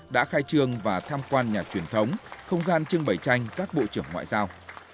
đã khai trường và tham quan nhà truyền thống không gian trưng bày tranh các bộ trưởng ngoại giao